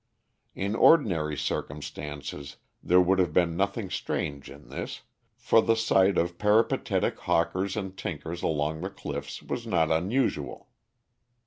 In ordinary circumstances there would have been nothing strange in this, for the sight of peripatetic hawkers and tinkers along the cliffs was not unusual.